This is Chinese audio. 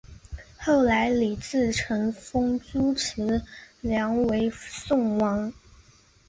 后来李自成封朱慈烺为宋王。